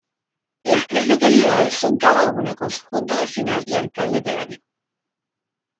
Las tres localidades son cada una con su Junta Vecinal y Alcalde Pedáneo.